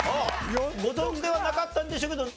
ご存じではなかったんでしょうけど。